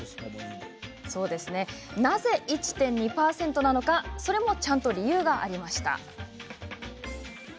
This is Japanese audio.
なぜ１．２％なのかそれもちゃんと理由がありました。